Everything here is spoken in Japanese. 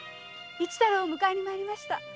市太郎を迎えに参りました。